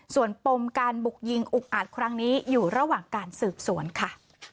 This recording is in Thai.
ส่วนปมการบุกยิงอุกอาจครั้งนี้อยู่ระหว่างการสืบสวนค่ะ